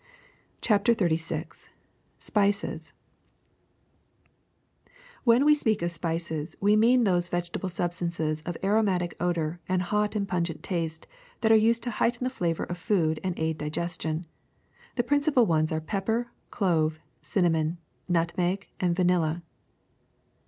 '^ ii w CHAPTER XXXVI SPICES HEN we speak of spices we mean those vege table substances of aromatic odor and hot and pungent taste that are used to heighten the flavor of food and aid digestion. The principal ones are pepper, clove, cinnamon, nutmeg, and vanilla.